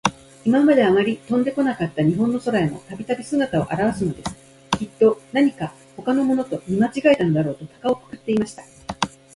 いままで、あまり飛んでこなかった日本の空へも、たびたび、すがたをあらわすのです。きっと、なにかほかのものと、見まちがえたのだろうと、たかをくくっていました。